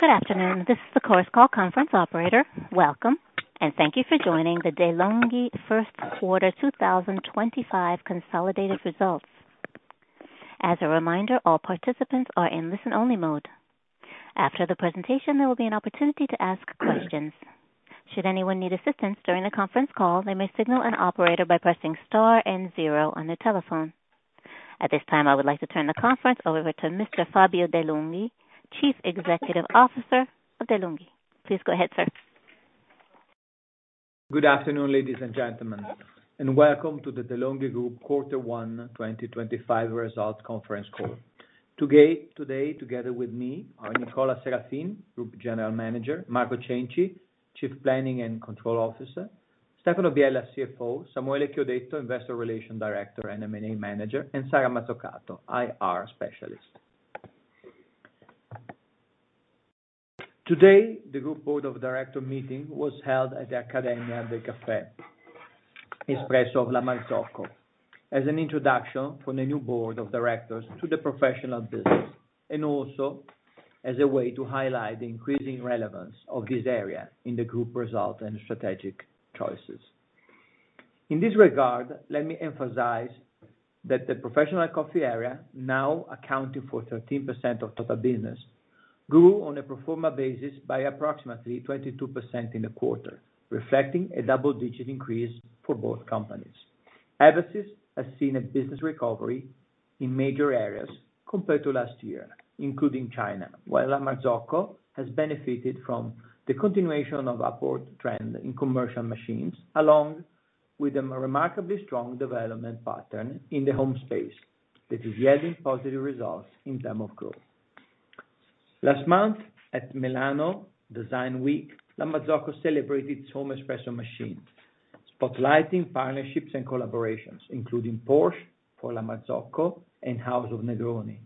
Good afternoon. This is the Course Call Conference Operator. Welcome, and thank you for joining the De'Longhi First Quarter 2025 Consolidated Results. As a reminder, all participants are in listen-only mode. After the presentation, there will be an opportunity to ask questions. Should anyone need assistance during the conference call, they may signal an operator by pressing star and zero on their telephone. At this time, I would like to turn the conference over to Mr. Fabio De'Longhi, Chief Executive Officer of De'Longhi. Please go ahead, sir. Good afternoon, ladies and gentlemen, and welcome to the De'Longhi Group Quarter One 2025 Results Conference Call. Today, together with me, are Nicola Serafin, Group General Manager; Marco Cenci, Chief Planning and Control Officer; Stefano Biella, CFO; Samuele Chiodetto, Investor Relations Director and M&A Manager; and Sara Mazzucato, IR Specialist. Today, the Group Board of Directors meeting was held at the Accademia del Caffè Espresso of La Marzocco as an introduction for the new board of directors to the professional business, and also as a way to highlight the increasing relevance of this area in the group results and strategic choices. In this regard, let me emphasize that the professional coffee area, now accounting for 13% of total business, grew on a pro forma basis by approximately 22% in the quarter, reflecting a double-digit increase for both companies. Overseas has seen a business recovery in major areas compared to last year, including China, while La Marzocco has benefited from the continuation of upward trend in commercial machines, along with a remarkably strong development pattern in the home space that is yielding positive results in terms of growth. Last month, at Milano Design Week, La Marzocco celebrated its home espresso machine, spotlighting partnerships and collaborations, including Porsche for La Marzocco and House of Negroni.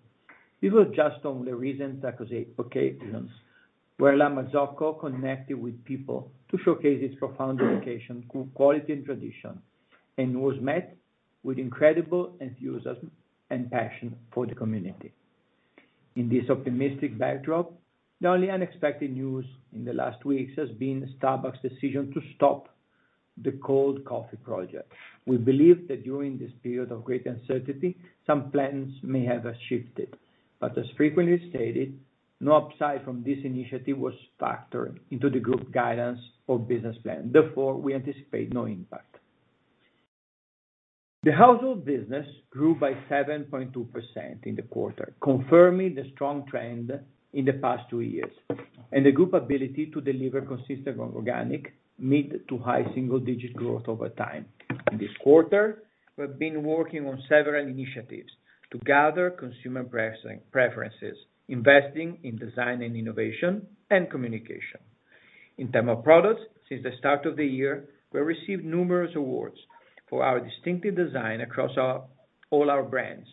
These were just some of the recent occasions where La Marzocco connected with people to showcase its profound dedication to quality and tradition, and was met with incredible enthusiasm and passion for the community. In this optimistic backdrop, the only unexpected news in the last weeks has been Starbucks' decision to stop the cold coffee project. We believe that during this period of great uncertainty, some plans may have shifted, but as frequently stated, no upside from this initiative was factored into the group guidance or business plan. Therefore, we anticipate no impact. The household business grew by 7.2% in the quarter, confirming the strong trend in the past two years and the group's ability to deliver consistent organic, mid to high single-digit growth over time. In this quarter, we have been working on several initiatives to gather consumer preferences, investing in design and innovation and communication. In terms of products, since the start of the year, we have received numerous awards for our distinctive design across all our brands.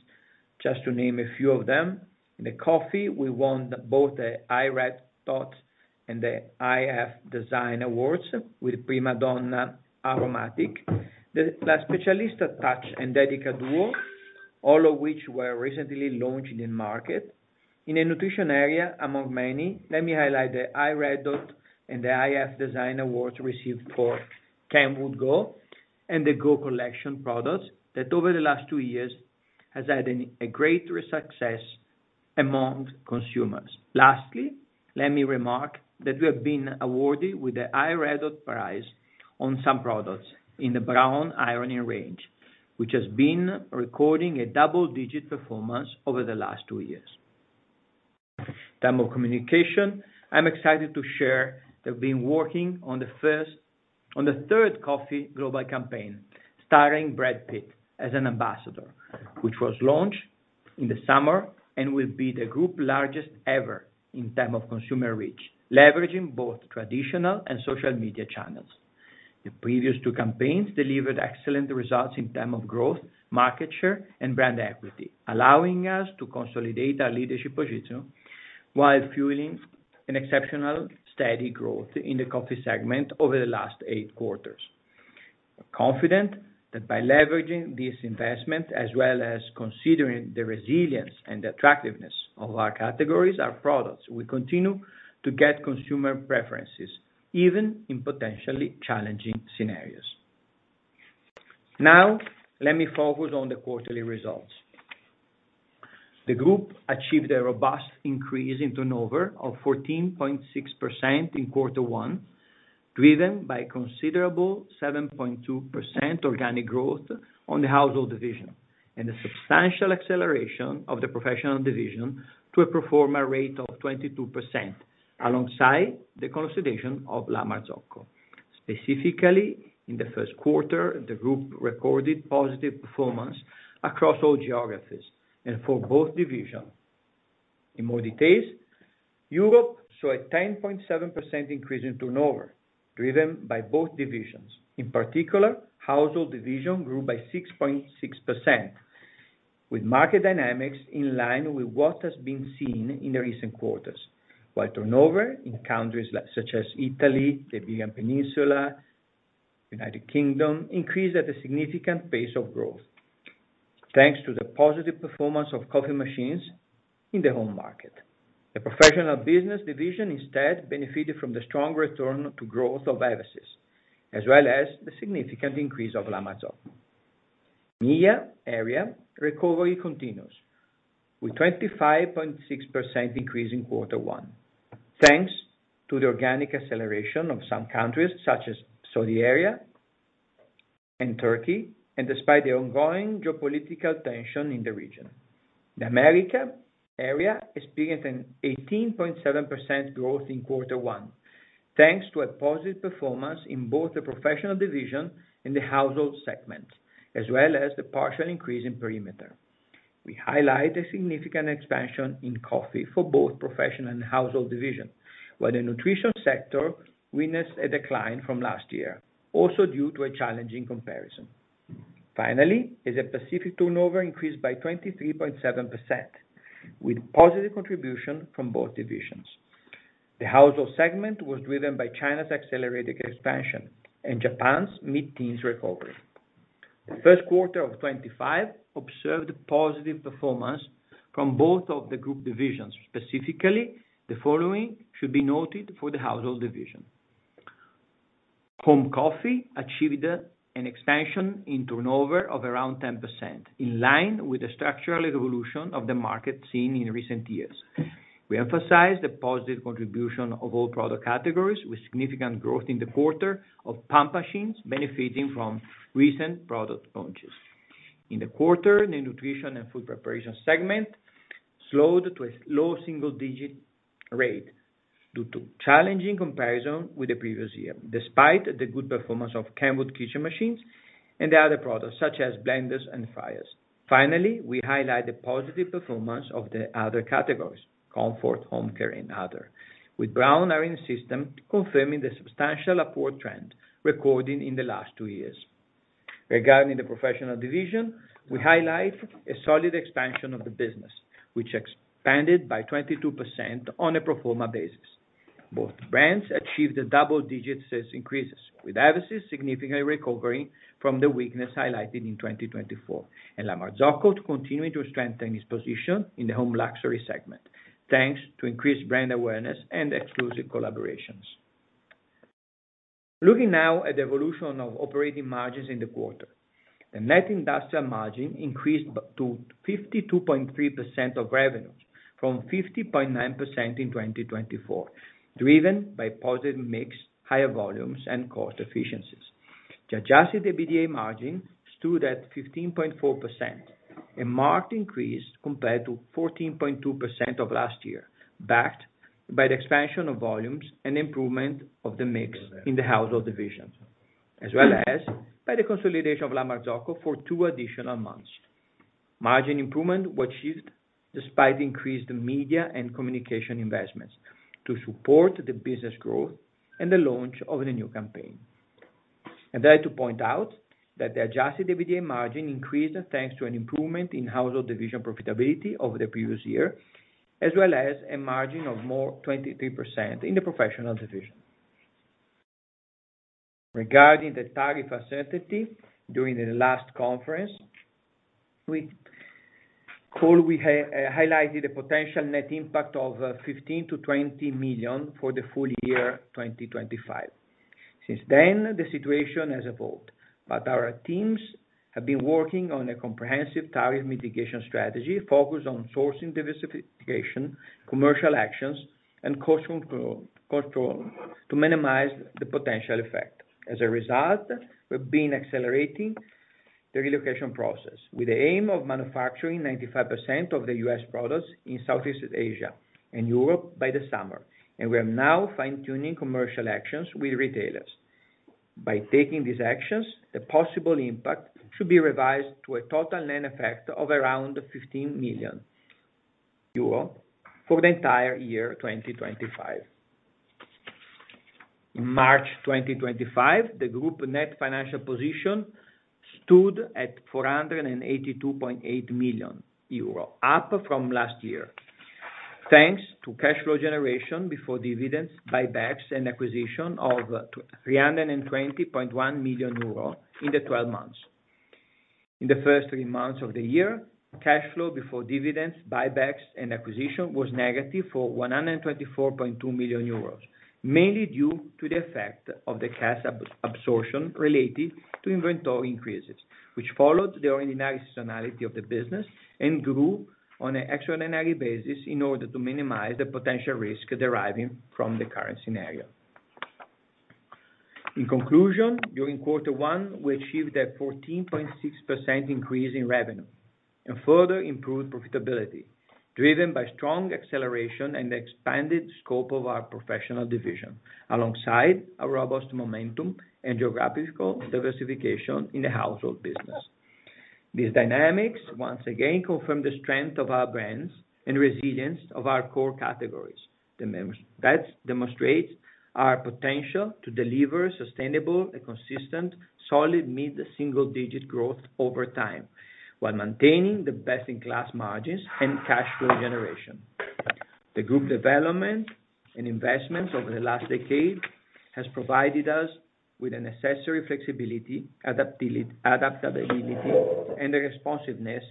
Just to name a few of them, the coffee, we won both the Red Dot and the IF Design Awards with PrimaDonna Aromatic, the La Specialista Touch and Dedica Duo, all of which were recently launched in the market. In the nutrition area, among many, let me highlight the Red Dot and the IF Design Awards received for Kenwood Goat and the Goat Collection products that over the last two years have had a greater success among consumers. Lastly, let me remark that we have been awarded with the Red Dot prize on some products in the Braun Ironing range, which has been recording a double-digit performance over the last two years. In terms of communication, I'm excited to share that we've been working on the third coffee global campaign, starring Brad Pitt as an ambassador, which was launched in the summer and will be the group's largest ever in terms of consumer reach, leveraging both traditional and social media channels. The previous two campaigns delivered excellent results in terms of growth, market share, and brand equity, allowing us to consolidate our leadership position while fueling an exceptional steady growth in the coffee segment over the last eight quarters. Confident that by leveraging this investment, as well as considering the resilience and attractiveness of our categories and products, we continue to get consumer preferences even in potentially challenging scenarios. Now, let me focus on the quarterly results. The group achieved a robust increase in turnover of 14.6% in quarter one, driven by considerable 7.2% organic growth on the household division and a substantial acceleration of the professional division to a pro forma rate of 22% alongside the consolidation of La Marzocco. Specifically, in the first quarter, the group recorded positive performance across all geographies and for both divisions. In more detail, Europe saw a 10.7% increase in turnover, driven by both divisions. In particular, household division grew by 6.6%, with market dynamics in line with what has been seen in the recent quarters, while turnover in countries such as Italy, the Iberian Peninsula, and the United Kingdom increased at a significant pace of growth, thanks to the positive performance of coffee machines in the home market. The professional business division, instead, benefited from the strong return to growth of overseas, as well as the significant increase of La Marzocco. In the Middle East area, recovery continues with a 25.6% increase in quarter one, thanks to the organic acceleration of some countries such as Saudi Arabia and Turkey, and despite the ongoing geopolitical tension in the region. In the America area, we experienced an 18.7% growth in quarter one, thanks to positive performance in both the professional division and the household segments, as well as the partial increase in perimeter. We highlight a significant expansion in coffee for both professional and household divisions, while the nutrition sector witnessed a decline from last year, also due to a challenging comparison. Finally, the Pacific turnover increased by 23.7%, with positive contributions from both divisions. The household segment was driven by China's accelerated expansion and Japan's mid-teens recovery. The first quarter of 2025 observed positive performance from both of the group divisions. Specifically, the following should be noted for the household division: Home coffee achieved an expansion in turnover of around 10%, in line with the structural evolution of the market seen in recent years. We emphasize the positive contribution of all product categories, with significant growth in the quarter of pump machines benefiting from recent product launches. In the quarter, the nutrition and food preparation segment slowed to a low single-digit rate due to challenging comparison with the previous year, despite the good performance of Kenwood kitchen machines and other products such as blenders and fryers. Finally, we highlight the positive performance of the other categories: comfort, home care, and others, with Braun Ironing range confirming the substantial upward trend recorded in the last two years. Regarding the professional division, we highlight a solid expansion of the business, which expanded by 22% on a pro forma basis. Both brands achieved double-digit increases, with overseas significantly recovering from the weakness highlighted in 2024, and La Marzocco continuing to strengthen its position in the home luxury segment, thanks to increased brand awareness and exclusive collaborations. Looking now at the evolution of operating margins in the quarter, the net industrial margin increased to 52.3% of revenues, from 50.9% in 2024, driven by positive mix, higher volumes, and cost efficiencies. The adjusted EBITDA margin stood at 15.4%, a marked increase compared to 14.2% of last year, backed by the expansion of volumes and improvement of the mix in the household division, as well as by the consolidation of La Marzocco for two additional months. Margin improvement was achieved despite increased media and communication investments to support the business growth and the launch of the new campaign. I'd like to point out that the adjusted EBITDA margin increased thanks to an improvement in household division profitability over the previous year, as well as a margin of more than 23% in the professional division. Regarding the tariff uncertainty during the last conference call, we highlighted a potential net impact of 15-20 million for the full year 2025. Since then, the situation has evolved, but our teams have been working on a comprehensive tariff mitigation strategy focused on sourcing diversification, commercial actions, and cost control to minimize the potential effect. As a result, we've been accelerating the relocation process with the aim of manufacturing 95% of the US products in Southeast Asia and Europe by the summer, and we are now fine-tuning commercial actions with retailers. By taking these actions, the possible impact should be revised to a total net effect of around 15 million euro for the entire year 2025. In March 2025, the group net financial position stood at 482.8 million euro, up from last year, thanks to cash flow generation before dividends, buybacks, and acquisition of 320.1 million euro in the 12 months. In the first three months of the year, cash flow before dividends, buybacks, and acquisition was negative for 124.2 million euros, mainly due to the effect of the cash absorption related to inventory increases, which followed the ordinary seasonality of the business and grew on an extraordinary basis in order to minimize the potential risk deriving from the current scenario. In conclusion, during Quarter One, we achieved a 14.6% increase in revenue and further improved profitability, driven by strong acceleration and the expanded scope of our professional division, alongside a robust momentum and geographical diversification in the household business. These dynamics once again confirm the strength of our brands and resilience of our core categories. That demonstrates our potential to deliver sustainable and consistent solid mid to single-digit growth over time while maintaining the best-in-class margins and cash flow generation. The group development and investments over the last decade have provided us with the necessary flexibility, adaptability, and responsiveness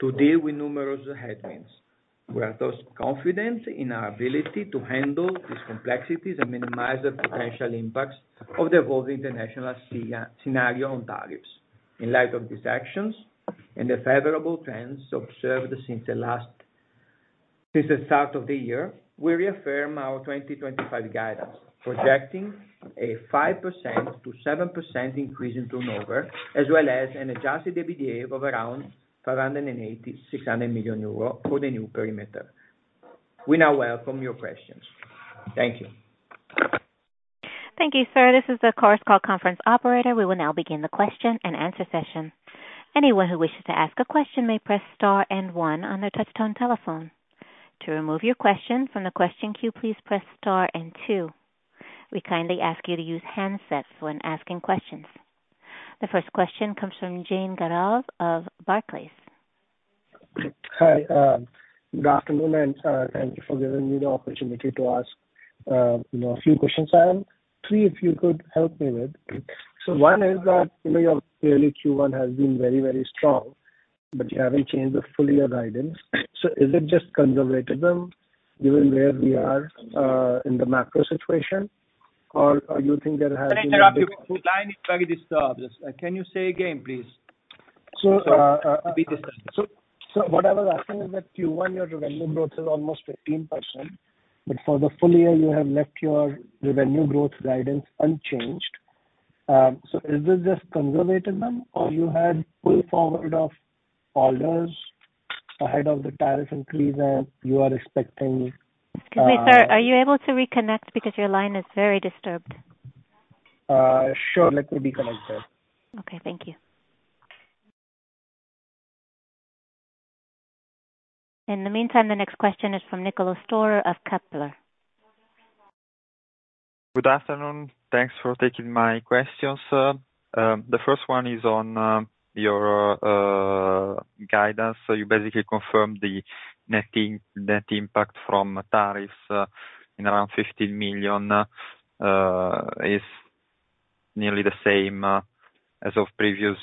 to deal with numerous headwinds. We are thus confident in our ability to handle these complexities and minimize the potential impacts of the evolving international scenario on tariffs. In light of these actions and the favorable trends observed since the start of the year, we reaffirm our 2025 guidance, projecting a 5%-7% increase in turnover, as well as an adjusted EBITDA of around 580 million-600 million euro for the new perimeter. We now welcome your questions. Thank you. Thank you, sir. This is the course call conference operator. We will now begin the question and answer session. Anyone who wishes to ask a question may press Star and One on their touch-tone telephone. To remove your question from the question queue, please press Star and Two. We kindly ask you to use handsets when asking questions. The first question comes from Jane Garal of Barclays. Hi, Dr. Brunner, and thank you for giving me the opportunity to ask a few questions. I have three if you could help me with. One is that your early Q1 has been very, very strong, but you have not changed the full year guidance. Is it just conservatism given where we are in the macro situation, or do you think there has been? Can I interrupt you? The line is very disturbed. Can you say again, please? What I was asking is that Q1, your revenue growth is almost 15%, but for the full year, you have left your revenue growth guidance unchanged. Is this just conservatism, or you had full forward of orders ahead of the tariff increase, and you are expecting? Excuse me, sir. Are you able to reconnect? Because your line is very disturbed. Sure. Let me reconnect there. Okay. Thank you. In the meantime, the next question is from Nicola Serafin of Keppler. Good afternoon. Thanks for taking my questions, sir. The first one is on your guidance. You basically confirmed the net impact from tariffs in around 15 million is nearly the same as previous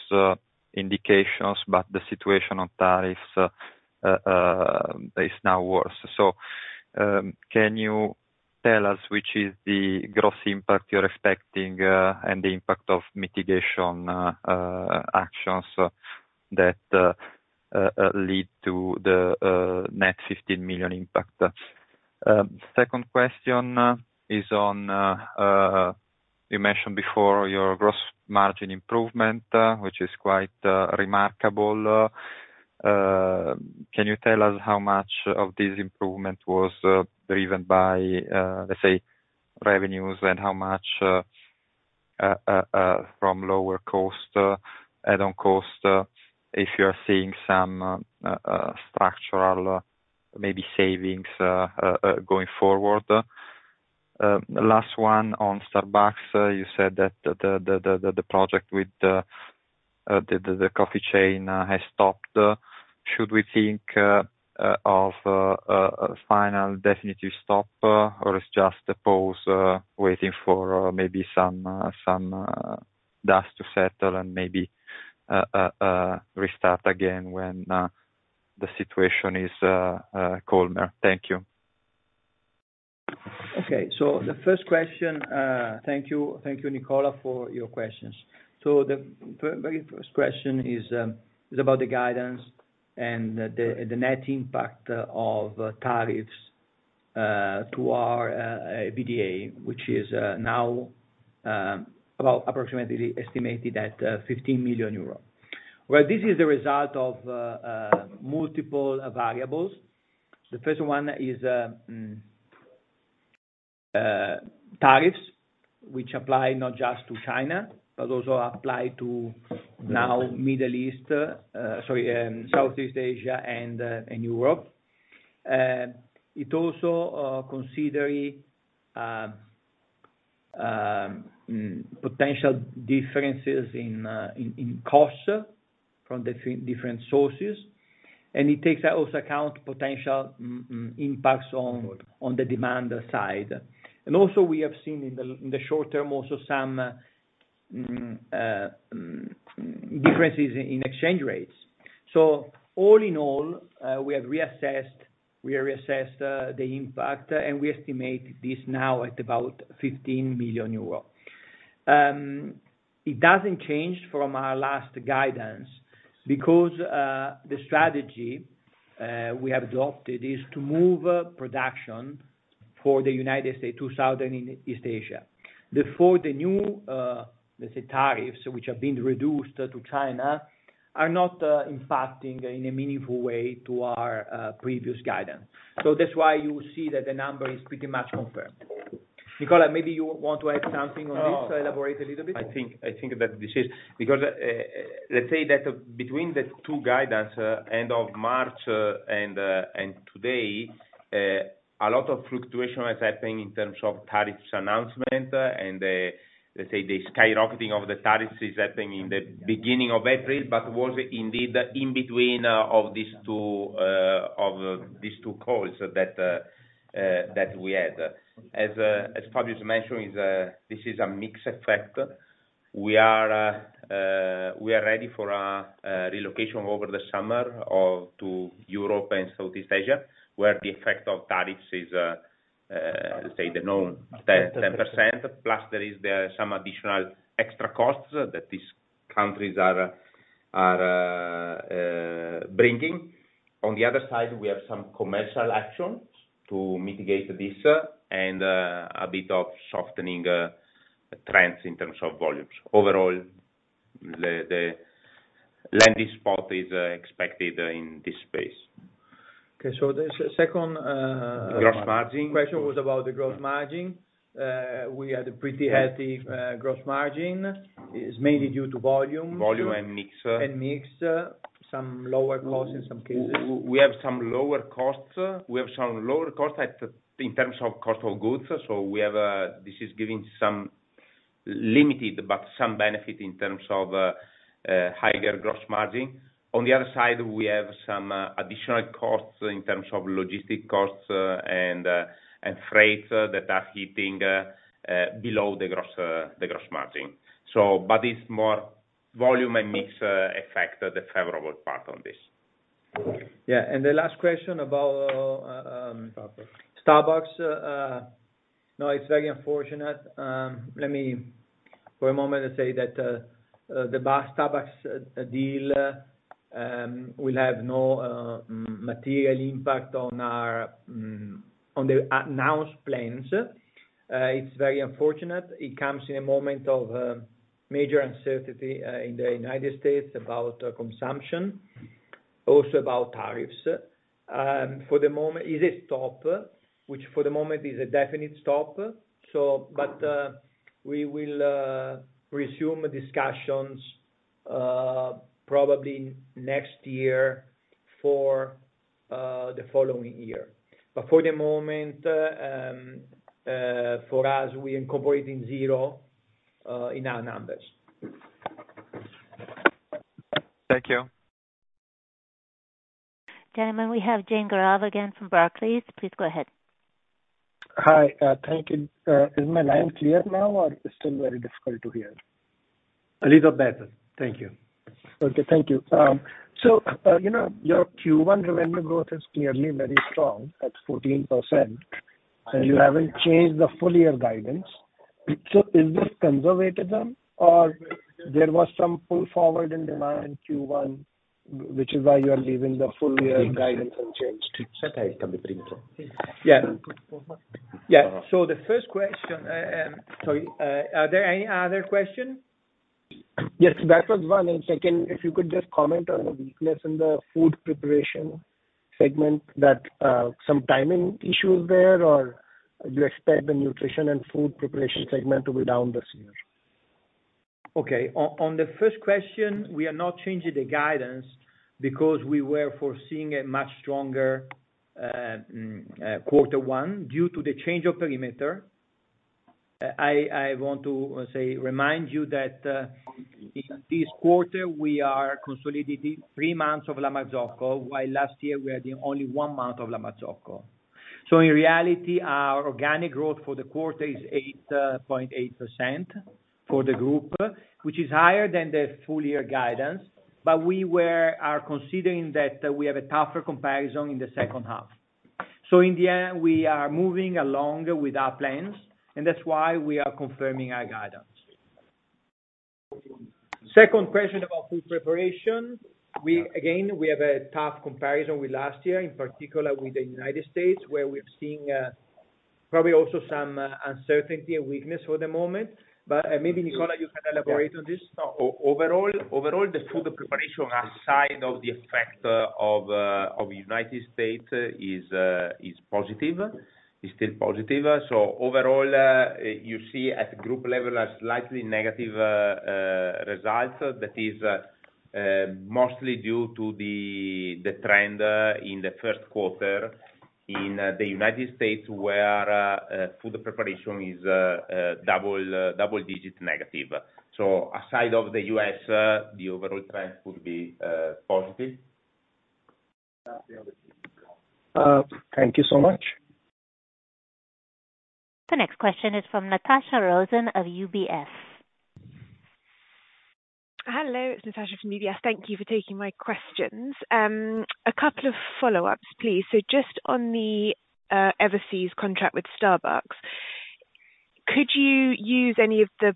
indications, but the situation on tariffs is now worse. Can you tell us what is the gross impact you're expecting and the impact of mitigation actions that lead to the net 15 million impact? Second question is on, you mentioned before, your gross margin improvement, which is quite remarkable. Can you tell us how much of this improvement was driven by, let's say, revenues, and how much from lower cost, add-on cost, if you are seeing some structural, maybe, savings going forward? Last one on Starbucks, you said that the project with the coffee chain has stopped. Should we think of a final definitive stop, or it's just a pause waiting for maybe some dust to settle and maybe restart again when the situation is calmer? Thank you. Okay. The first question, thank you, Nicola, for your questions. The very first question is about the guidance and the net impact of tariffs to our EBITDA, which is now approximately estimated at 15 million euros. This is the result of multiple variables. The first one is tariffs, which apply not just to China, but also apply to now Middle East, sorry, Southeast Asia, and Europe. It also considers potential differences in costs from different sources, and it takes into account potential impacts on the demand side. We have seen in the short term also some differences in exchange rates. All in all, we have reassessed the impact, and we estimate this now at about 15 million euro. It does not change from our last guidance because the strategy we have adopted is to move production for the U.S. to Southeast Asia. For the new, let's say, tariffs, which have been reduced to China, these are not impacting in a meaningful way to our previous guidance. That is why you see that the number is pretty much confirmed. Nicola, maybe you want to add something on this or elaborate a little bit? I think that this is because, let's say, between the two guidances, end of March and today, a lot of fluctuation has happened in terms of tariffs announcement, and let's say the skyrocketing of the tariffs is happening in the beginning of April, but was indeed in between of these two calls that we had. As Fabio mentioned, this is a mixed effect. We are ready for relocation over the summer to Europe and Southeast Asia, where the effect of tariffs is, let's say, the known 10%, plus there are some additional extra costs that these countries are bringing. On the other side, we have some commercial action to mitigate this and a bit of softening trends in terms of volumes. Overall, the landing spot is expected in this space. Okay. The second question was about the gross margin. We had a pretty healthy gross margin. It's mainly due to volume. Volume and mix. And mix, some lower costs in some cases. We have some lower costs. We have some lower costs in terms of cost of goods. This is giving some limited, but some benefit in terms of higher gross margin. On the other side, we have some additional costs in terms of logistic costs and freight that are hitting below the gross margin. It is more volume and mix effect, the favorable part on this. Yeah. The last question about Starbucks. No, it's very unfortunate. Let me, for a moment, say that the Starbucks deal will have no material impact on the announced plans. It's very unfortunate. It comes in a moment of major uncertainty in the United States about consumption, also about tariffs. For the moment, it is a stop, which for the moment is a definite stop. But we will resume discussions probably next year for the following year. For the moment, for us, we incorporate in zero in our numbers. Thank you. Gentlemen, we have Jane Garal again from Barclays. Please go ahead. Hi. Thank you. Is my line clear now, or it's still very difficult to hear? A little better. Thank you. Okay. Thank you. Your Q1 revenue growth is clearly very strong at 14%, and you haven't changed the full year guidance. Is this conservatism, or was there some pull forward in demand Q1, which is why you are leaving the full year guidance unchanged? Yeah. The first question, sorry, are there any other questions? Yes. That was one. Second, if you could just comment on the weakness in the food preparation segment, is that some timing issues there, or do you expect the nutrition and food preparation segment to be down this year? Okay. On the first question, we are not changing the guidance because we were foreseeing a much stronger Quarter One due to the change of perimeter. I want to remind you that in this quarter, we are consolidating three months of La Marzocco, while last year we had only one month of La Marzocco. In reality, our organic growth for the quarter is 8.8% for the group, which is higher than the full year guidance, but we are considering that we have a tougher comparison in the second half. In the end, we are moving along with our plans, and that's why we are confirming our guidance. Second question about food preparation. Again, we have a tough comparison with last year, in particular with the United States, where we're seeing probably also some uncertainty and weakness for the moment. Maybe, Nicola, you can elaborate on this. Overall, the food preparation aside of the effect of the United States is positive. It's still positive. Overall, you see at the group level a slightly negative result that is mostly due to the trend in the first quarter in the United States, where food preparation is double-digit negative. Aside of the U.S., the overall trend would be positive. Thank you so much. The next question is from Natasha Rosen of UBS. Hello. It's Natasha from UBS. Thank you for taking my questions. A couple of follow-ups, please. Just on the overseas contract with Starbucks, could you use any of the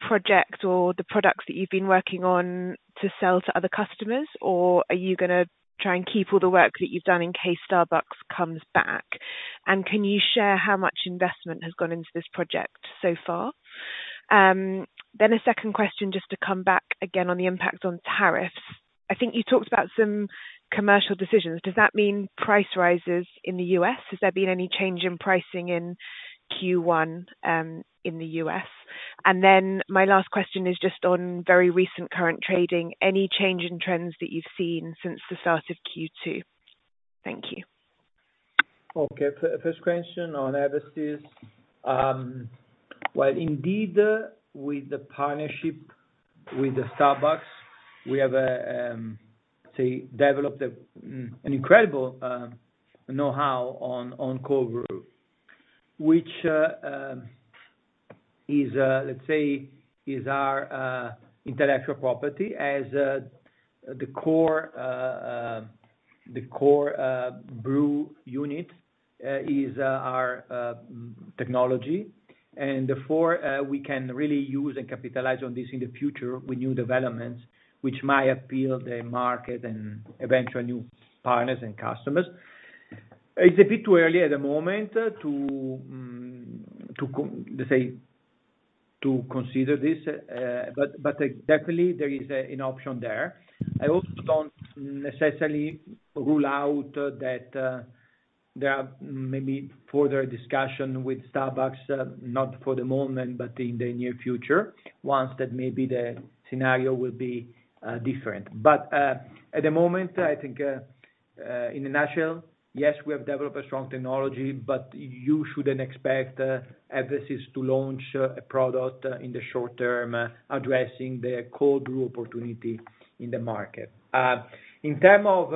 projects or the products that you've been working on to sell to other customers, or are you going to try and keep all the work that you've done in case Starbucks comes back? Can you share how much investment has gone into this project so far? A second question just to come back again on the impact on tariffs. I think you talked about some commercial decisions. Does that mean price rises in the U.S.? Has there been any change in pricing in Q1 in the U.S.? My last question is just on very recent current trading. Any change in trends that you've seen since the start of Q2? Thank you. Okay. First question on overseas. Indeed, with the partnership with Starbucks, we have, let's say, developed an incredible know-how on cold brew, which, let's say, is our intellectual property as the cold brew unit is our technology. Therefore, we can really use and capitalize on this in the future with new developments, which might appeal to the market and eventual new partners and customers. It is a bit too early at the moment to, let's say, consider this, but definitely, there is an option there. I also do not necessarily rule out that there are maybe further discussions with Starbucks, not for the moment, but in the near future, once maybe the scenario will be different. At the moment, I think in a nutshell, yes, we have developed a strong technology, but you should not expect us to launch a product in the short term addressing the cold brew opportunity in the market. In terms of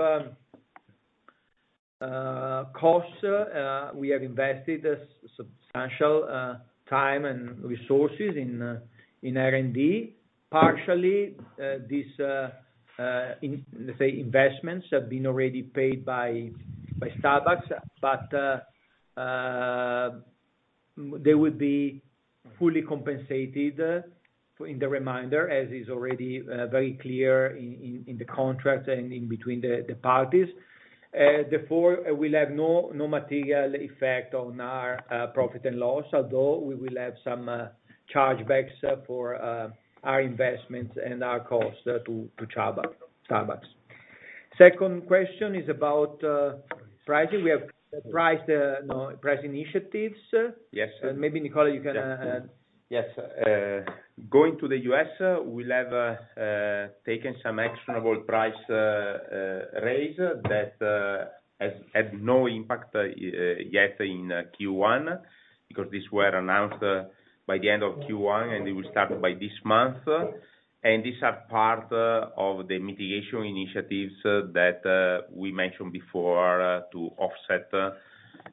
costs, we have invested substantial time and resources in R&D. Partially, these, let's say, investments have been already paid by Starbucks, but they would be fully compensated in the reminder, as is already very clear in the contract and in between the parties. Therefore, we'll have no material effect on our profit and loss, although we will have some chargebacks for our investments and our costs to Starbucks. Second question is about pricing. We have priced initiatives. Maybe, Nicola, you can? Yes. Going to the U.S., we'll have taken some actionable price raise that has had no impact yet in Q1 because these were announced by the end of Q1, and they will start by this month. These are part of the mitigation initiatives that we mentioned before to offset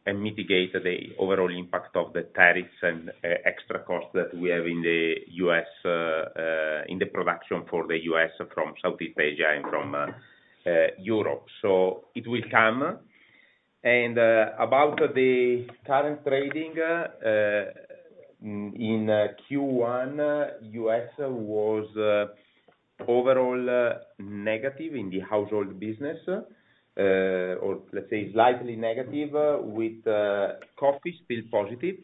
and mitigate the overall impact of the tariffs and extra costs that we have in the U.S. in the production for the U.S. from Southeast Asia and from Europe. It will come. About the current trading, in Q1, U.S. was overall negative in the household business, or let's say slightly negative, with coffee still positive.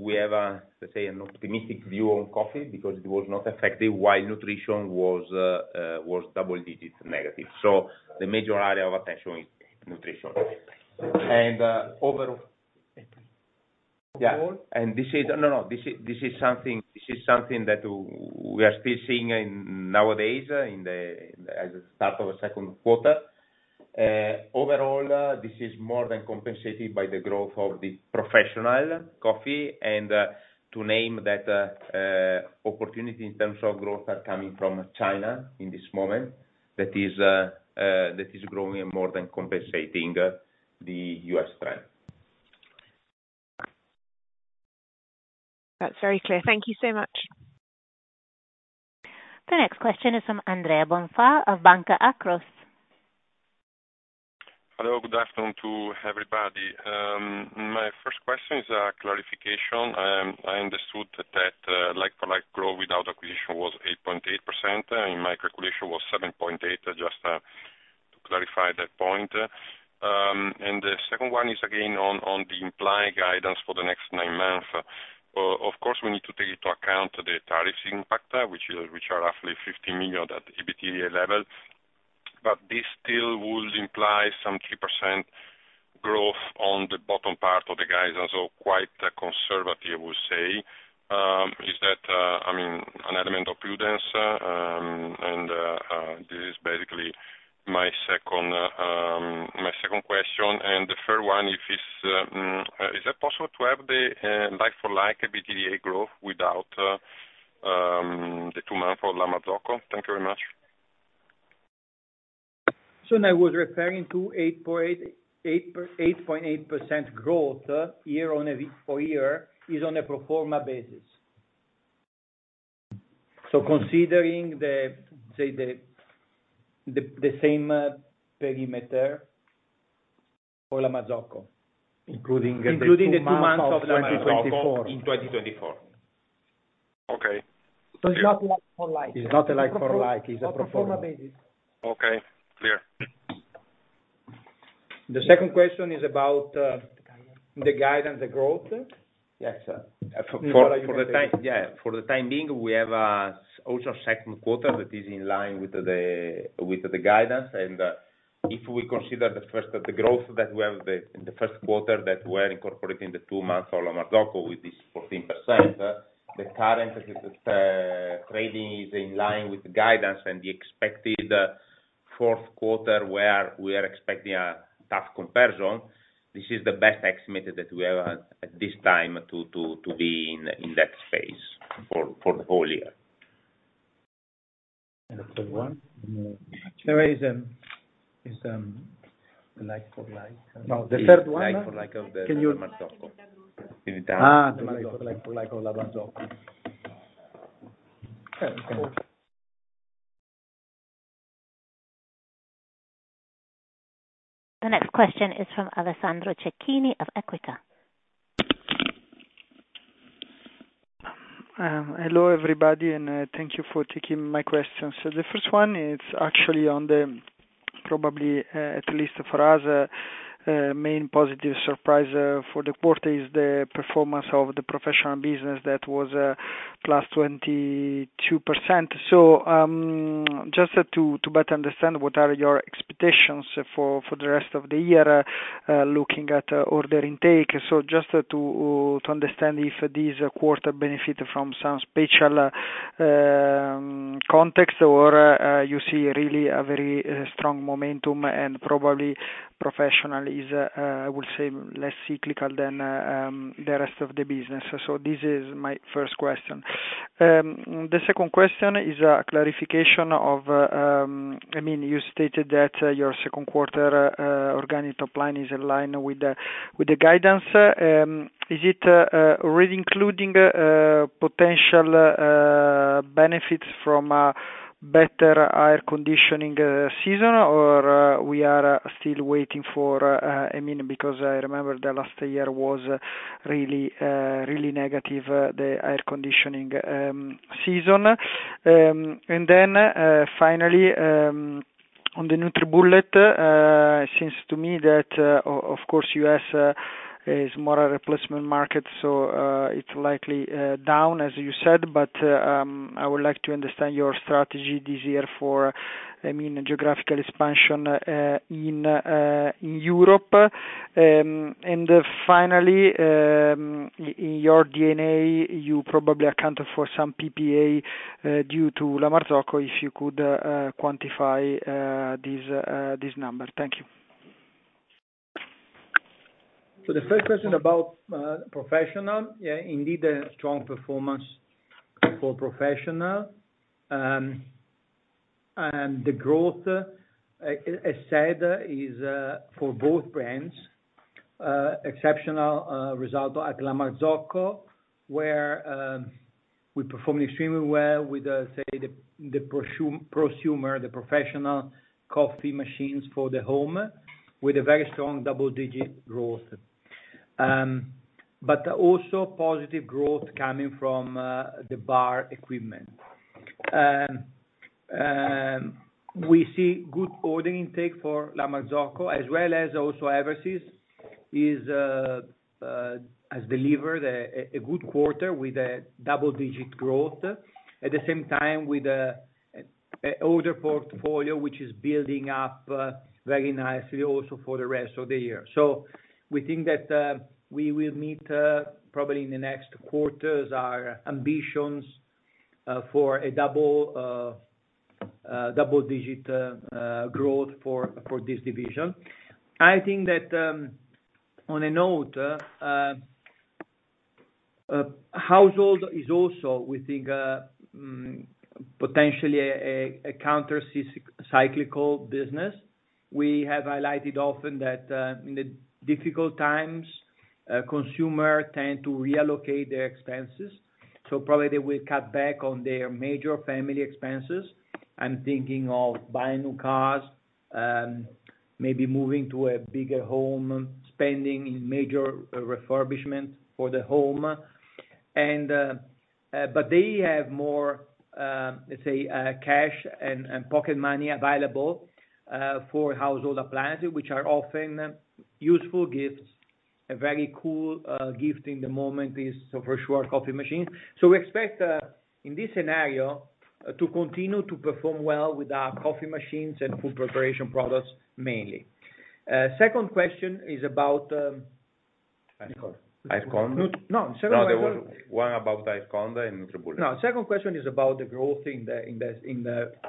We have, let's say, an optimistic view on coffee because it was not affected while nutrition was double-digit negative. The major area of attention is nutrition. Overall, this is something that we are still seeing nowadays as a start of the second quarter. Overall, this is more than compensated by the growth of the professional coffee. To name that, opportunity in terms of growth are coming from China in this moment that is growing and more than compensating the U.S. trend. That is very clear. Thank you so much. The next question is from Andrea Bonfa of Banca Akros. Hello. Good afternoon to everybody. My first question is a clarification. I understood that like-for-like growth without acquisition was 8.8%. In my calculation, it was 7.8%, just to clarify that point. The second one is, again, on the implied guidance for the next nine months. Of course, we need to take into account the tariffs impact, which are roughly 15 million at EBITDA level. This still would imply some 3% growth on the bottom part of the guidance, or quite conservative, I would say. Is that, I mean, an element of prudence? This is basically my second question. The third one, is it possible to have the like-for-like EBITDA growth without the two-month or La Marzocco? Thank you very much. I was referring to 8.8% growth year-on-year, which is on a pro forma basis. Considering the same perimeter for La Marzocco, including the two months of La Marzocco in 2024. Okay. It is not like-for-like? It is not like-for-like. It is a pro forma. Okay. Clear. The second question is about the guidance, the growth. Yes. For the time being, we have also a second quarter that is in line with the guidance. If we consider the growth that we have in the first quarter, that we are incorporating the two-month or La Marzocco with this 14%, the current trading is in line with the guidance. The expected fourth quarter, where we are expecting a tough comparison, this is the best estimate that we have at this time to be in that space for the whole year. The third one? There is a like-for-like. No, the third one. Like-for-like of the La Marzocco. The like-for-like of La Marzocco. The next question is from Alessandro Cecchini of Equita. Hello, everybody, and thank you for taking my questions. The first one is actually on the probably, at least for us, main positive surprise for the quarter is the performance of the professional business that was plus 22%. Just to better understand, what are your expectations for the rest of the year, looking at order intake. Just to understand if this quarter benefited from some special context or you see really a very strong momentum and probably professional is, I would say, less cyclical than the rest of the business. This is my first question. The second question is a clarification of, I mean, you stated that your second quarter organic top line is in line with the guidance. Is it already including potential benefits from a better air conditioning season, or we are still waiting for, I mean, because I remember the last year was really negative, the air conditioning season? Finally, on the nutribullet, it seems to me that, of course, U.S. is more a replacement market, so it is likely down, as you said, but I would like to understand your strategy this year for, I mean, geographical expansion in Europe. Finally, in your DNA, you probably accounted for some PPA due to La Marzocco if you could quantify this number. Thank you. The first question about professional, yeah, indeed, a strong performance for professional. The growth, as said, is for both brands. Exceptional result at La Marzocco, where we performed extremely well with, say, the prosumer, the professional coffee machines for the home, with a very strong double-digit growth. Also positive growth coming from the bar equipment. We see good order intake for La Marzocco, as well as also overseas, has delivered a good quarter with a double-digit growth, at the same time with an order portfolio which is building up very nicely also for the rest of the year. We think that we will meet probably in the next quarter our ambitions for a double-digit growth for this division. I think that on a note, household is also, we think, potentially a counter-cyclical business. We have highlighted often that in the difficult times, consumers tend to reallocate their expenses. Probably they will cut back on their major family expenses. I'm thinking of buying new cars, maybe moving to a bigger home, spending in major refurbishment for the home. They have more, let's say, cash and pocket money available for household appliances, which are often useful gifts. A very cool gift in the moment is, for sure, coffee machines. We expect, in this scenario, to continue to perform well with our coffee machines and food preparation products mainly. Second question is about Icecond. No, second question. No, there was one about Icecond and nutribullet. No, second question is about the growth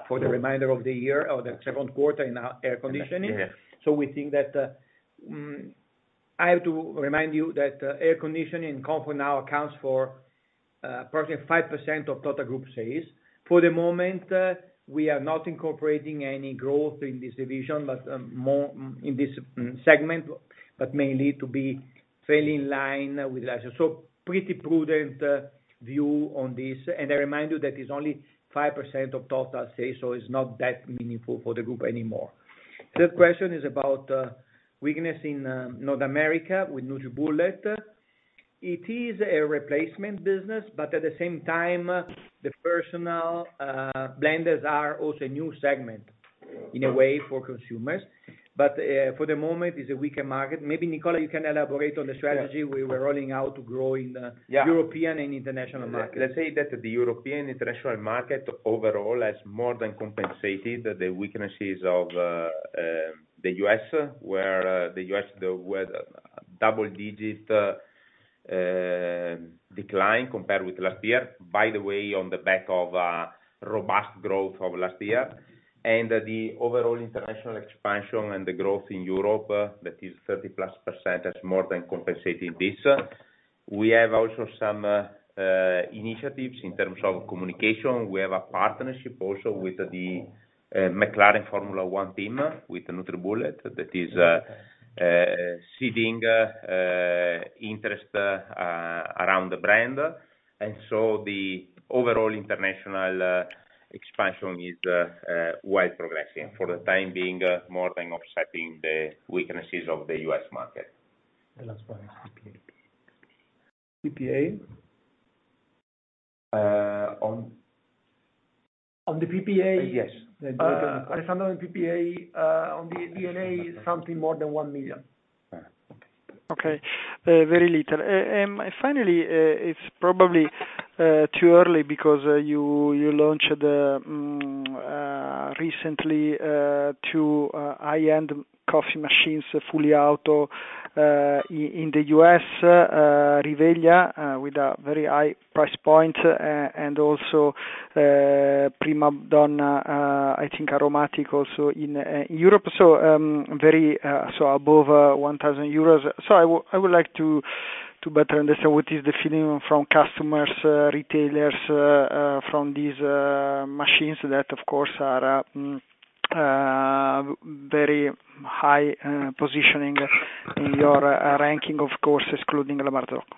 for the remainder of the year or the second quarter in air conditioning. We think that I have to remind you that air conditioning comfort now accounts for approximately 5% of total group sales. For the moment, we are not incorporating any growth in this division in this segment, but mainly to be fairly in line with last year. Pretty prudent view on this. I remind you that it's only 5% of total sales, so it's not that meaningful for the group anymore. Third question is about weakness in North America with nutribullet. It is a replacement business, but at the same time, the personal blenders are also a new segment in a way for consumers. For the moment, it's a weaker market. Maybe, Nicola, you can elaborate on the strategy we were rolling out to grow in the European and international market. Let's say that the European international market overall has more than compensated the weaknesses of the U.S., where the U.S. double-digit decline compared with last year, by the way, on the back of robust growth of last year. The overall international expansion and the growth in Europe, that is 30+%, has more than compensated this. We have also some initiatives in terms of communication. We have a partnership also with the McLaren Formula 1 team with nutribullet that is seeding interest around the brand. The overall international expansion is well progressing for the time being, more than offsetting the weaknesses of the U.S. market. The last one is PPA. PPA? On the PPA? Yes. Alessandro, on PPA, on the DNA, something more than 1 million. Okay. Okay. Very little. Finally, it's probably too early because you launched recently two high-end coffee machines, fully auto, in the U.S., Rivelia, with a very high price point, and also PrimaDonna, I think, Aromatic also in Europe. So above 1,000 euros. I would like to better understand what is the feeling from customers, retailers from these machines that, of course, are very high positioning in your ranking, of course, excluding La Marzocco.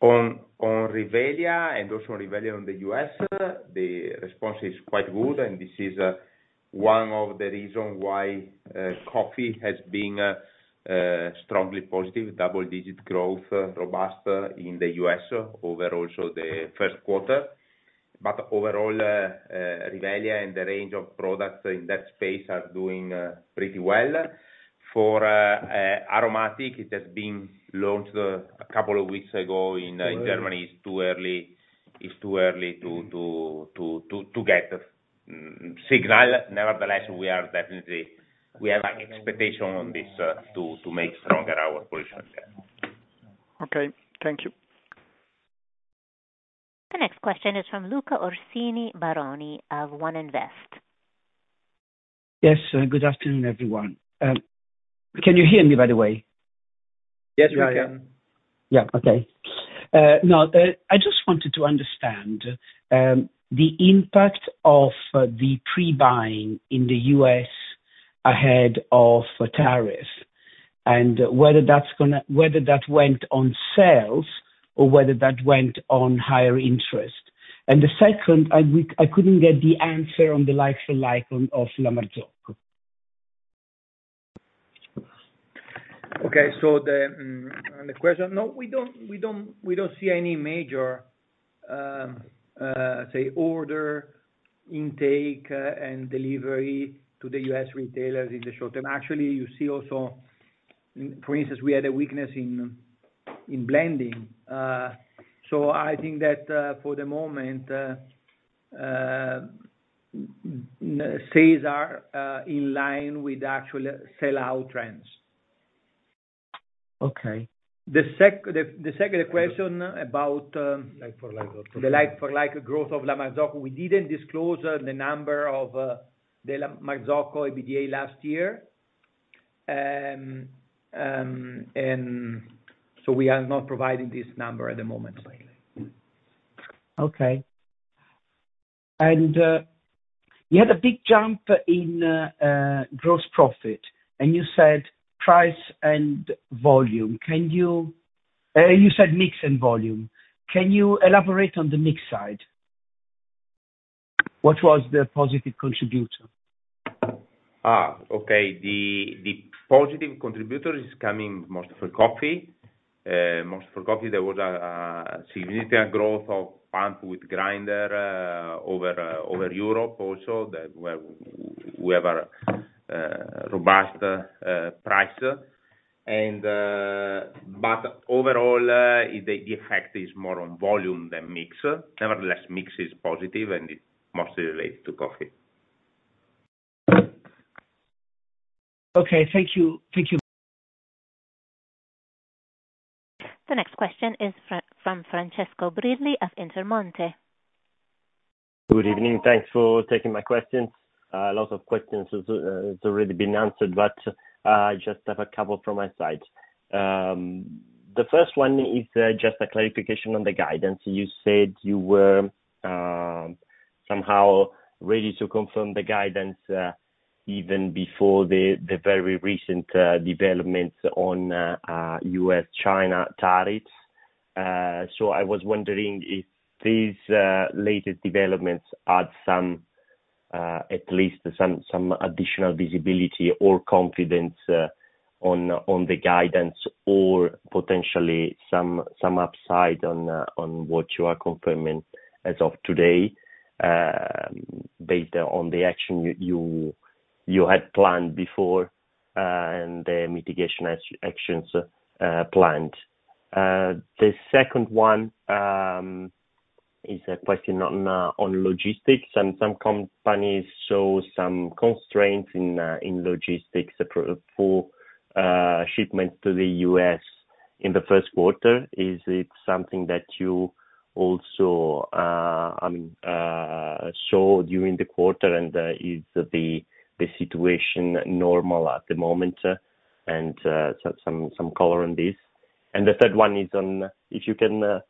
On Rivelia and also Rivelia in the U.S., the response is quite good. This is one of the reasons why coffee has been strongly positive, double-digit growth, robust in the U.S. over also the first quarter. Overall, Rivelia and the range of products in that space are doing pretty well. For Aromatic, it has been launched a couple of weeks ago in Germany. It's too early to get the signal. Nevertheless, we have an expectation on this to make stronger our position. Okay. Thank you. The next question is from Luca Orsini Baroni of OneInvest. Yes. Good afternoon, everyone. Can you hear me, by the way? Yes, we can. Yeah. Okay. No, I just wanted to understand the impact of the pre-buying in the U.S. ahead of tariffs and whether that went on sales or whether that went on higher interest. And the second, I couldn't get the answer on the like-for-like of La Marzocco. Okay. So the question, no, we don't see any major, say, order intake and delivery to the U.S. retailers in the short term. Actually, you see also, for instance, we had a weakness in blending. I think that for the moment, sales are in line with actual sell-out trends. Okay. The second question about like-for-like or the like-for-like growth of La Marzocco, we did not disclose the number of the La Marzocco EBITDA last year. We are not providing this number at the moment. Okay. You had a big jump in gross profit, and you said price and volume. You said mix and volume. Can you elaborate on the mix side? What was the positive contributor? Okay. The positive contributor is coming mostly for coffee. Mostly for coffee, there was a significant growth of pump with grinder over Europe also where we have a robust price. Overall, the effect is more on volume than mix. Nevertheless, mix is positive, and it is mostly related to coffee. Okay. Thank you. Thank you. The next question is from Francesco Brilli of Intermonte. Good evening. Thanks for taking my questions. A lot of questions have already been answered, but I just have a couple from my side. The first one is just a clarification on the guidance. You said you were somehow ready to confirm the guidance even before the very recent developments on U.S.-China tariffs. I was wondering if these latest developments add at least some additional visibility or confidence on the guidance or potentially some upside on what you are confirming as of today based on the action you had planned before and the mitigation actions planned. The second one is a question on logistics. Some companies saw some constraints in logistics for shipments to the U.S. in the first quarter. Is it something that you also, I mean, saw during the quarter, and is the situation normal at the moment? Some color on this. The third one is on if you can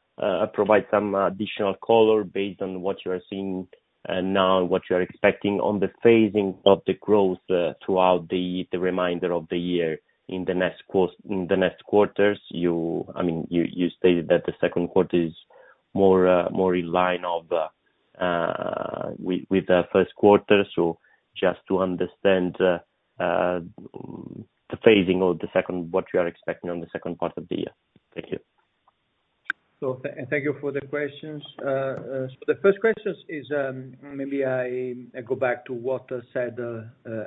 provide some additional color based on what you are seeing now and what you are expecting on the phasing of the growth throughout the remainder of the year in the next quarters. I mean, you stated that the second quarter is more in line with the first quarter. Just to understand the phasing of what you are expecting on the second part of the year. Thank you. Thank you for the questions. The first question is maybe I go back to what I said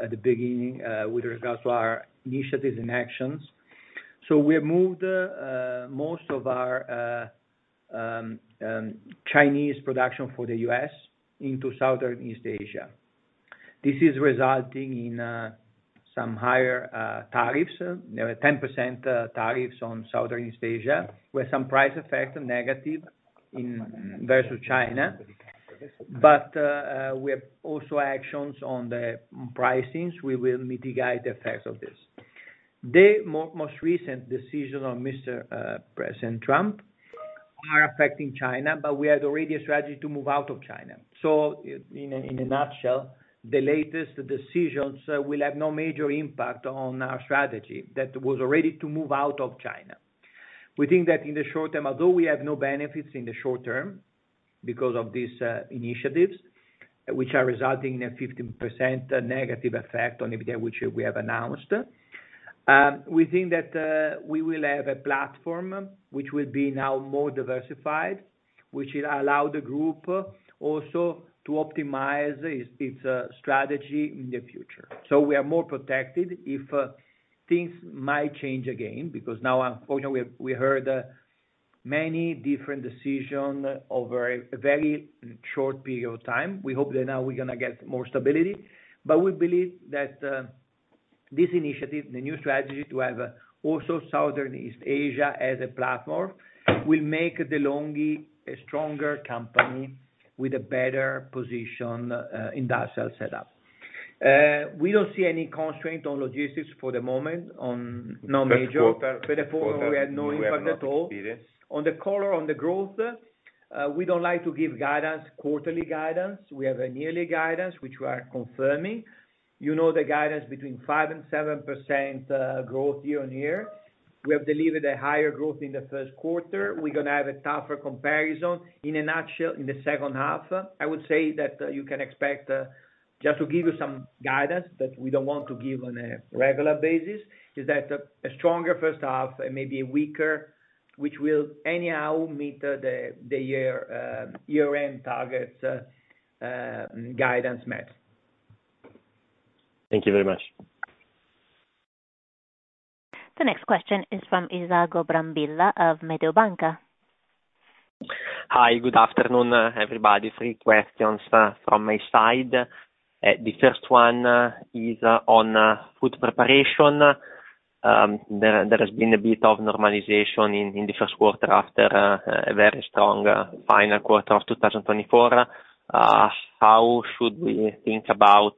at the beginning with regard to our initiatives and actions. We have moved most of our Chinese production for the U.S. into Southeast Asia. This is resulting in some higher tariffs, 10% tariffs on Southeast Asia, with some price effect negative versus China. We have also actions on the pricing. We will mitigate the effects of this. The most recent decision of Mr. President Trump is affecting China, but we had already a strategy to move out of China. In a nutshell, the latest decisions will have no major impact on our strategy that was already to move out of China. We think that in the short term, although we have no benefits in the short term because of these initiatives, which are resulting in a 15% negative effect on EBITDA, which we have announced, we think that we will have a platform which will be now more diversified, which will allow the group also to optimize its strategy in the future. We are more protected if things might change again because now, unfortunately, we heard many different decisions over a very short period of time. We hope that now we're going to get more stability. We believe that this initiative, the new strategy to have also Southeast Asia as a platform, will make De'Longhi a stronger company with a better position industrial setup. We do not see any constraint on logistics for the moment, no major. The following, we have no impact at all. On the color, on the growth, we do not like to give quarterly guidance. We have a yearly guidance, which we are confirming. You know the guidance between 5-7% growth year on year. We have delivered a higher growth in the first quarter. We are going to have a tougher comparison. In a nutshell, in the second half, I would say that you can expect, just to give you some guidance that we don't want to give on a regular basis, a stronger first half and maybe a weaker, which will anyhow meet the year-end targets, guidance met. Thank you very much. The next question is from Isaac Oberambilla of Mediobanca. Hi. Good afternoon, everybody. Three questions from my side. The first one is on food preparation. There has been a bit of normalization in the first quarter after a very strong final quarter of 2024. How should we think about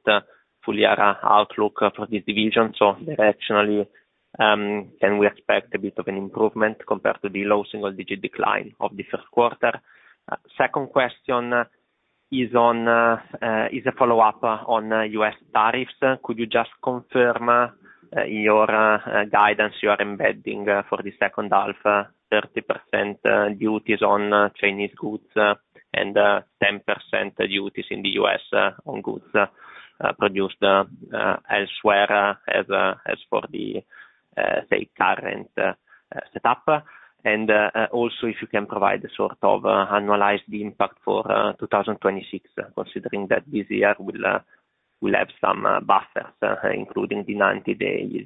fully outlook for this division? Directionally, can we expect a bit of an improvement compared to the low single-digit decline of the first quarter? Second question is a follow-up on US tariffs. Could you just confirm in your guidance you are embedding for the second half 30% duties on Chinese goods and 10% duties in the U.S. on goods produced elsewhere as for the current setup? If you can provide a sort of annualized impact for 2026, considering that this year we'll have some buffers, including the 90-day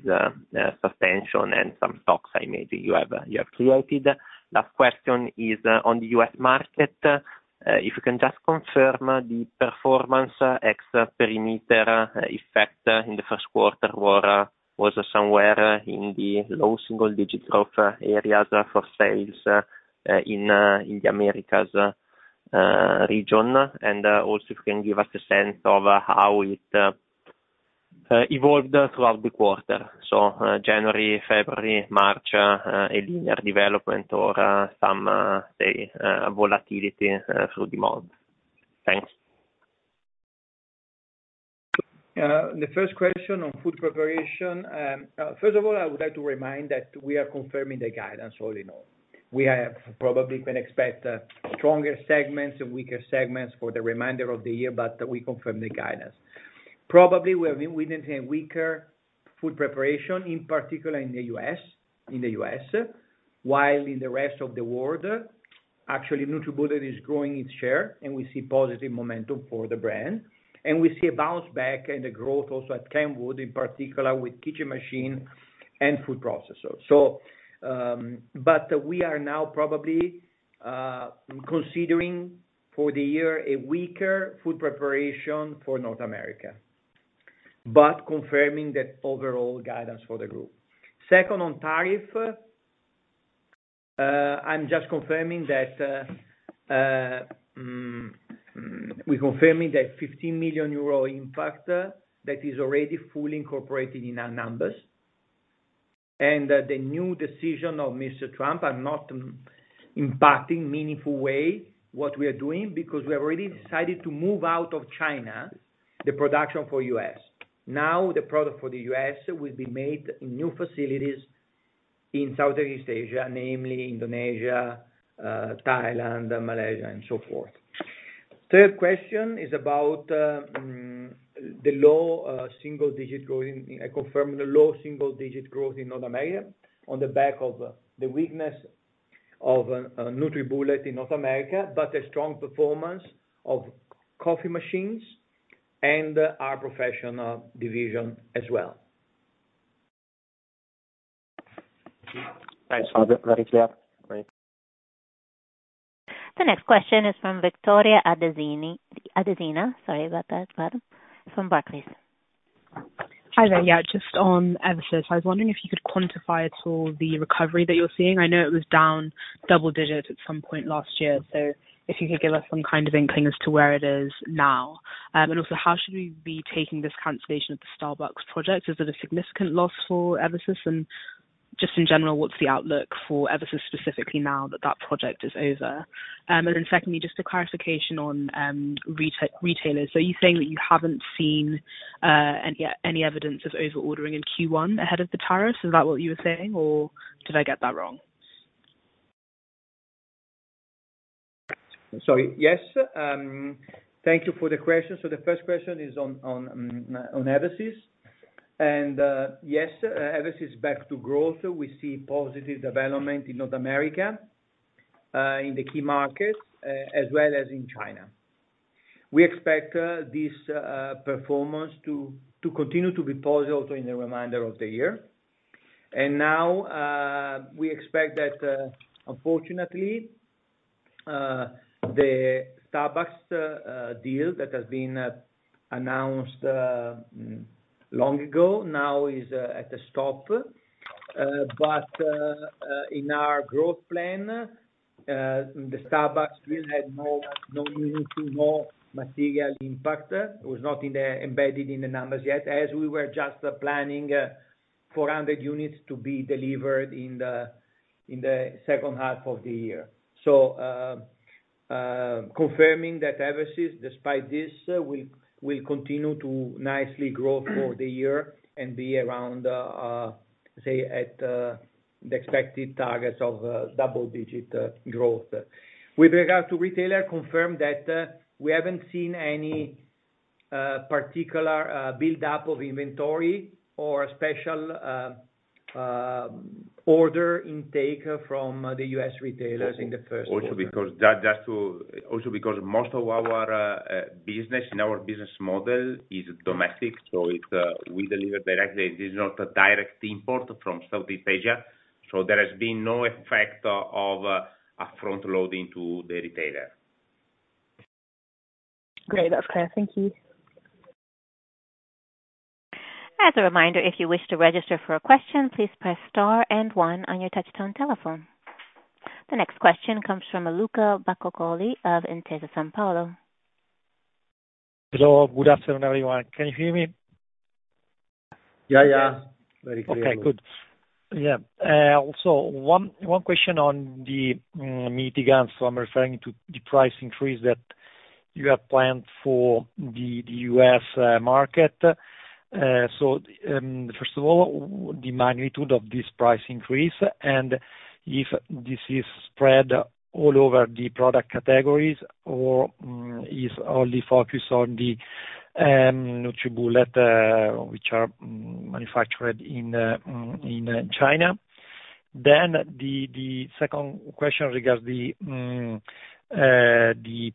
suspension and some stocks, I imagine you have created. Last question is on the U.S. market. If you can just confirm the performance ex perimeter effect in the first quarter was somewhere in the low single-digit growth areas for sales in the Americas region. If you can give us a sense of how it evolved throughout the quarter. January, February, March, a linear development or some volatility through the month. Thanks. The first question on food preparation. First of all, I would like to remind that we are confirming the guidance all in all. We probably can expect stronger segments and weaker segments for the remainder of the year, but we confirm the guidance. Probably we're witnessing a weaker food preparation, in particular in the U.S., while in the rest of the world, actually, nutribullet is growing its share, and we see positive momentum for the brand. We see a bounce back in the growth also at Kenwood, in particular with kitchen machine and food processors. We are now probably considering for the year a weaker food preparation for North America, but confirming that overall guidance for the group. Second, on tariff, I'm just confirming that we're confirming that 15 million euro impact that is already fully incorporated in our numbers. The new decision of Mr. Trump are not impacting in a meaningful way what we are doing because we have already decided to move out of China the production for U.S. Now, the product for the U.S. will be made in new facilities in Southeast Asia, namely Indonesia, Thailand, Malaysia, and so forth. Third question is about the low single-digit growth. I confirm the low single-digit growth in North America on the back of the weakness of nutribullet in North America, but a strong performance of coffee machines and our professional division as well. Thanks. Very clear. The next question is from Victoria Adesina. Sorry about that, madam. From Barclays. Hi there. Yeah, just on Eversys. I was wondering if you could quantify at all the recovery that you're seeing. I know it was down double digits at some point last year. If you could give us some kind of inkling as to where it is now. Also, how should we be taking this cancellation of the Starbucks project? Is it a significant loss for Eversys? Just in general, what's the outlook for Eversys specifically now that that project is over? Secondly, just a clarification on retailers. Are you saying that you haven't seen any evidence of overordering in Q1 ahead of the tariffs? Is that what you were saying, or did I get that wrong? Sorry. Yes. Thank you for the question. The first question is on Eversys. Yes, Eversys back to growth. We see positive development in North America in the key markets as well as in China. We expect this performance to continue to be positive also in the remainder of the year. Now, we expect that, unfortunately, the Starbucks deal that has been announced long ago now is at a stop. In our growth plan, the Starbucks deal had no material impact. It was not embedded in the numbers yet, as we were just planning 400 units to be delivered in the second half of the year. Confirming that Eversys, despite this, will continue to nicely grow for the year and be around, say, at the expected targets of double-digit growth. With regard to retailers, confirm that we have not seen any particular build-up of inventory or special order intake from the U.S. retailers in the first quarter. Also because most of our business in our business model is domestic. We deliver directly. This is not a direct import from Southeast Asia. There has been no effect of a front load into the retailer. Great. That is clear. Thank you. As a reminder, if you wish to register for a question, please press star and one on your touchstone telephone. The next question comes from Luca Bacoccoli of Intesa Sanpaolo. Hello. Good afternoon, everyone. Can you hear me? Yeah, yeah. Very clear. Okay. Good. Yeah. Also, one question on the mitigants. So I'm referring to the price increase that you have planned for the U.S. market. First of all, the magnitude of this price increase, and if this is spread all over the product categories or is only focused on the nutribullet, which are manufactured in China. The second question regards the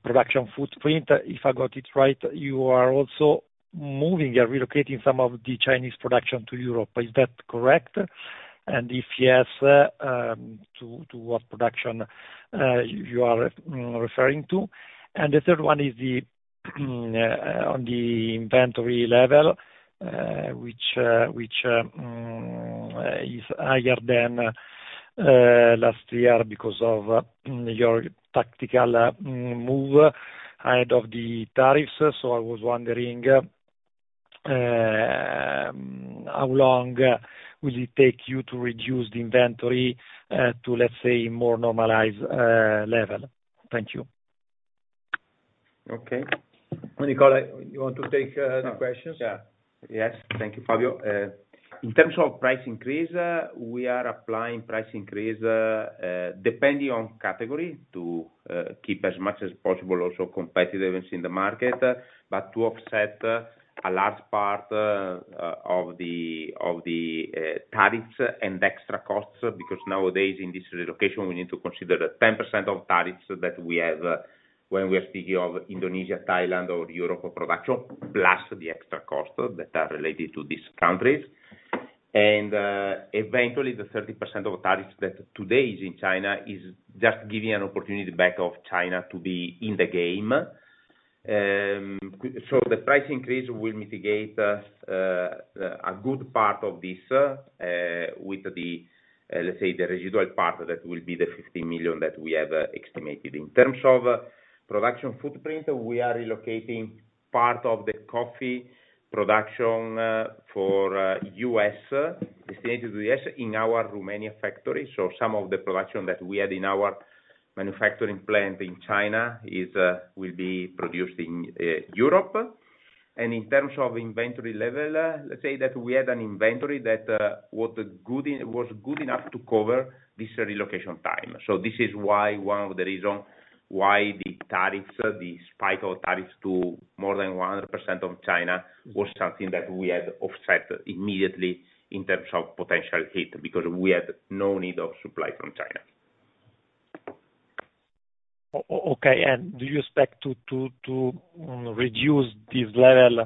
production footprint. If I got it right, you are also moving or relocating some of the Chinese production to Europe. Is that correct? If yes, to what production you are referring to? The third one is on the inventory level, which is higher than last year because of your tactical move ahead of the tariffs. I was wondering how long it will take you to reduce the inventory to, let's say, a more normalized level? Thank you. Okay. Nicola, you want to take the questions? Yes. Thank you, Fabio. In terms of price increase, we are applying price increase depending on category to keep as much as possible also competitiveness in the market, but to offset a large part of the tariffs and extra costs because nowadays in this relocation, we need to consider 10% of tariffs that we have when we are speaking of Indonesia, Thailand, or Europe of production, plus the extra costs that are related to these countries. Eventually, the 30% of tariffs that today is in China is just giving an opportunity back of China to be in the game. The price increase will mitigate a good part of this with the, let's say, the residual part that will be the $15 million that we have estimated. In terms of production footprint, we are relocating part of the coffee production for the U.S., destinated to the U.S. in our Romania factory. Some of the production that we had in our manufacturing plant in China will be produced in Europe. In terms of inventory level, let's say that we had an inventory that was good enough to cover this relocation time. This is one of the reasons why the tariffs, the spike of tariffs to more than 100% of China, was something that we had offset immediately in terms of potential hit because we had no need of supply from China. Okay. Do you expect to reduce this level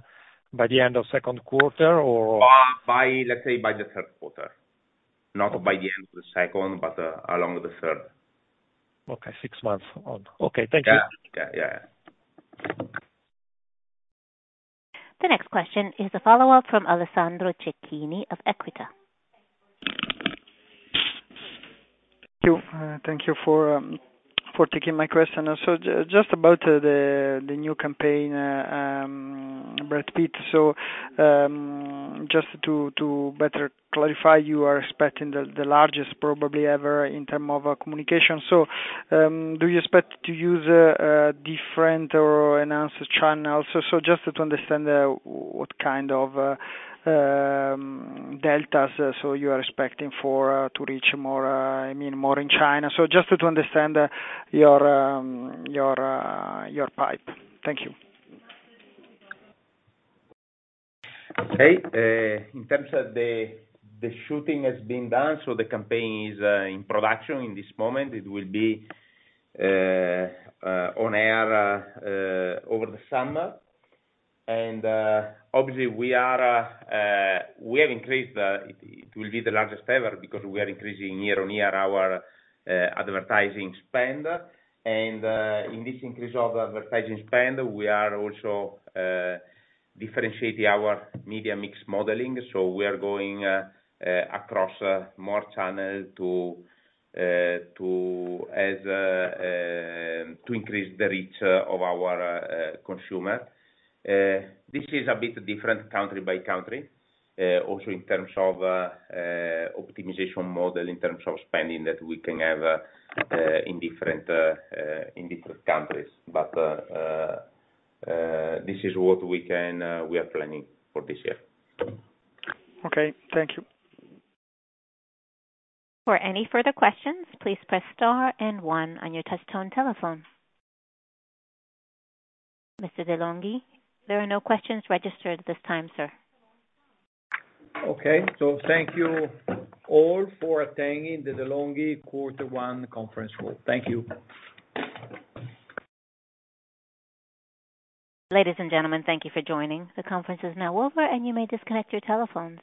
by the end of the second quarter or? Let's say by the third quarter. Not by the end of the second, but along the third. Okay. Six months on. Okay. Thank you. Yeah, yeah, yeah. The next question is a follow-up from Alessandro Cecchini of Equita. Thank you. Thank you for taking my question. Just about the new campaign, Brad Pitt. Just to better clarify, you are expecting the largest probably ever in terms of communication. Do you expect to use different or enhanced channels? Just to understand what kind of deltas you are expecting to reach more, I mean, more in China. Just to understand your pipe. Thank you. Hey. In terms of the shooting, it has been done. The campaign is in production at this moment. It will be on air over the summer. Obviously, it will be the largest ever because we are increasing year-on-year our advertising spend. In this increase of the advertising spend, we are also differentiating our media mix modeling. We are going across more channels to increase the reach of our consumer. This is a bit different country by country, also in terms of optimization model in terms of spending that we can have in different countries. This is what we are planning for this year. Okay. Thank you. For any further questions, please press star and one on your touchstone telephone. Mr. De'Longhi, there are no questions registered at this time, sir. Okay. Thank you all for attending the De'Longhi Quarter One Conference Room. Thank you. Ladies and gentlemen, thank you for joining. The conference is now over, and you may disconnect your telephones.